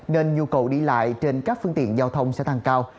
nên nhu cầu đi lại trên các phương tiện giao thông sẽ tăng cao